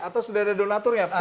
atau sudah ada donatur ya